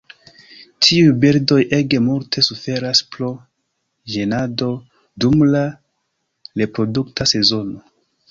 Tiuj birdoj ege multe suferas pro ĝenado dum la reprodukta sezono.